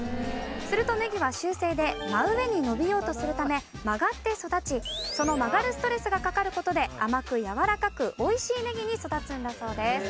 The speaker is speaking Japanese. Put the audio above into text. するとねぎは習性で真上に伸びようとするため曲がって育ちその曲がるストレスがかかる事で甘くやわらかく美味しいねぎに育つんだそうです。